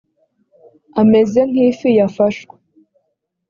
ameze nk ifi yafashwe